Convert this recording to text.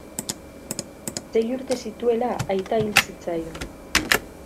Sei urte zituela aita hil zitzaion.